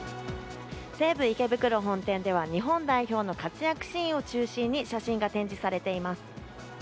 西武池袋本店では日本代表の活躍シーンを中心に写真が展示されています。